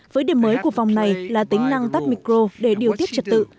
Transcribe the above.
với điểm mới của vòng này là tính năng tắt micro để điều tiết trật tự